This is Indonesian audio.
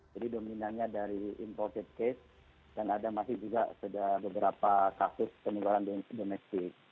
jadi dominannya dari impulsif case dan ada masih juga sudah beberapa kasus penularan domestik